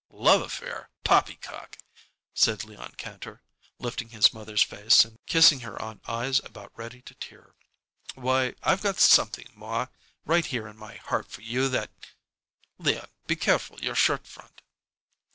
"Love affair poppycock!" said Leon Kantor, lifting his mother's face and kissing her on eyes about ready to tear. "Why, I've got something, ma, right here in my heart for you that " "Leon, be careful your shirt front!"